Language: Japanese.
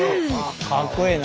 かっこいいな。